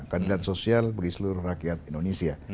keadilan sosial bagi seluruh rakyat indonesia